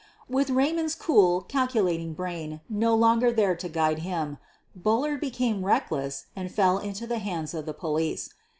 With Raymond's cool, calculating brain no longer there to guide him, Bullard became reckless and fell into the hands of the police.